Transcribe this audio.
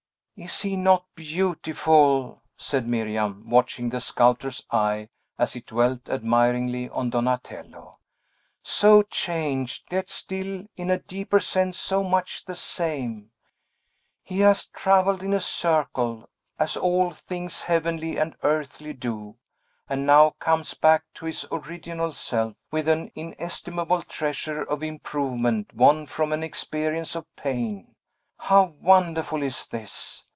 "Is he not beautiful?" said Miriam, watching the sculptor's eye as it dwelt admiringly on Donatello. "So changed, yet still, in a deeper sense, so much the same! He has travelled in a circle, as all things heavenly and earthly do, and now comes back to his original self, with an inestimable treasure of improvement won from an experience of pain. How wonderful is this!